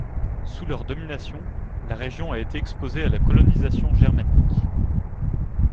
Sous leur domination, la région a été exposée à la colonisation germanique.